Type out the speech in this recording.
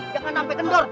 jangan sampai kendor